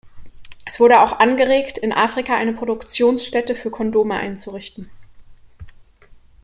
Es wurde auch angeregt, in Afrika eine Produktionsstätte für Kondome einzurichten.